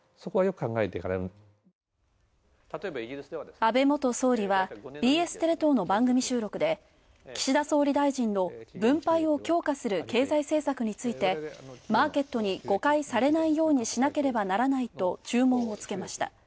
安倍元総理はＢＳテレ東の番組収録で岸田総理大臣の分配を強化する経済政策についてマーケットに誤解されないようにしなければならないと注文をつけました。